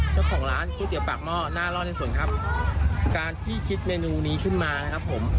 เจ้าของร้านตู้เตี๋ยวปากหม้อหน้าร่อนในส่วนครับการที่คิดเมนูนี้ขึ้นมาครับผม